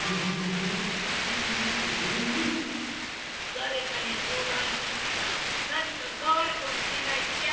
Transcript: だれかにそうだんしてみたらなにかかわるかもしれないっちゃ。